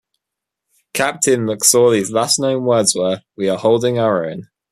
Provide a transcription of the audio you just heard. Captain McSorley's last known words were, We are holding our own.